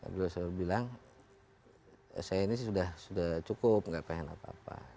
beliau selalu bilang saya ini sudah cukup gak pengen apa apa